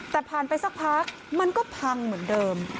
แต่ผ่านไปสักพักมันก็พังเหมือนเดิม